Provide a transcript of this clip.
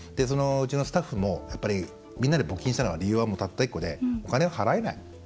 うちのスタッフも、やっぱりみんなで募金したのは理由はたった１個でお金が払えない。